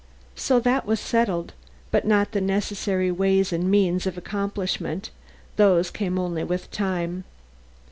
So that was settled, but not the necessary ways and means of accomplishment; those came only with time.